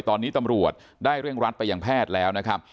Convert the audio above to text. ตอนนี้ตำรวจได้เร่งรัดไปยังแพทย์แล้วนะครับ